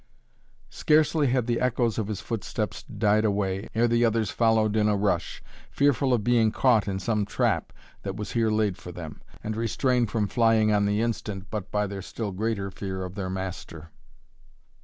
Scarcely had the echoes of his footsteps died away, ere the others followed in a rush, fearful of being caught in some trap that was here laid for them, and restrained from flying on the instant but by their still greater fear of their master.